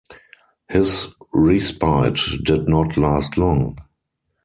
His respite did not last long.